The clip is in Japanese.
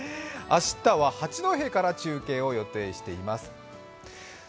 明日は八戸から中継を予定しています。